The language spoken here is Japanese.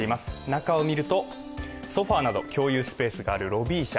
中を見ると、ソファーなど共有スペースがあるロビー車。